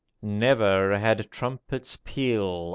Never had trumpet's peal.